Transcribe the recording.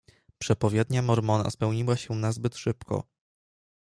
"Przepowiednia Mormona spełniła się nazbyt szybko."